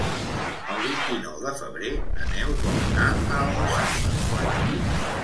El vint-i-nou de febrer na Neus vol anar a Almussafes.